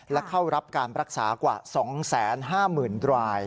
และเข้ารับการรักษากว่า๒๕๐๐๐ราย